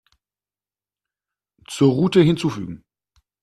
Zur Route hinzufügen.